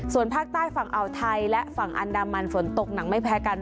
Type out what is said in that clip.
ส่วนภาคใต้ฝั่งอ่าวไทยและฝั่งอันดามันฝนตกหนักไม่แพ้กัน